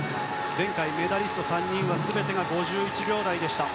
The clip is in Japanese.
前回メダリスト３人は全てが５１秒台でした。